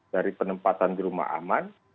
dari penempatan di rumah aman